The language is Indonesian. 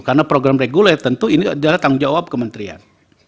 karena program reguler tentu ini datang jawab kementerian